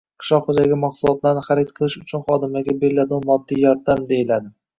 – qishloq xo‘jaligi mahsulotlarini harid qilish uchun xodimlarga beriladigan moddiy yordam deyiladi.